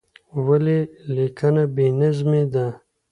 ولې لیکنه بې نظمې ده؟